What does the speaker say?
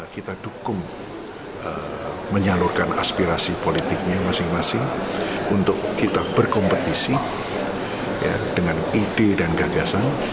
kita dukung menyalurkan aspirasi politiknya masing masing untuk kita berkompetisi dengan ide dan gagasan